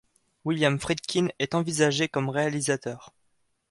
William Friedkin est envisagé comme réalisateur.